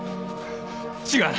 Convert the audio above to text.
違う！